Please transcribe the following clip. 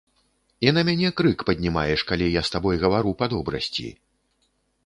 І на мяне крык паднімаеш, калі я з табой гавару па добрасці.